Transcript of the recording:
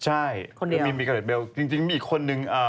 ใช่มีมีกาเด็กเบลจริงมีอีกคนนึง